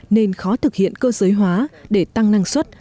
nên khó thực hiện cơ giới hóa để tăng năng suất